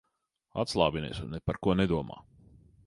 Atslābinies un ne par ko nedomā.